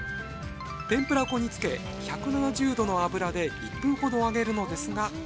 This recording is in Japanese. てんぷら粉につけ１７０℃の油で１分ほど揚げるのですが